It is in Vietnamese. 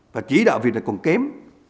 và chỉ đạo việc này còn kém